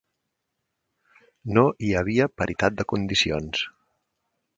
No hi havia paritat de condicions.